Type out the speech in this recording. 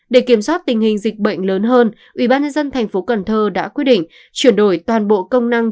để kiểm soát tình hình dịch bệnh lớn hơn ubnd tp cần thơ đã quyết định chuyển đổi toàn bộ công năng